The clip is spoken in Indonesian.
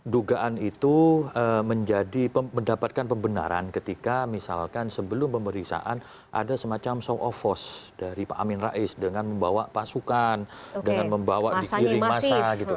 dugaan itu mendapatkan pembenaran ketika misalkan sebelum pemeriksaan ada semacam show of force dari pak amin rais dengan membawa pasukan dengan membawa digiring masa gitu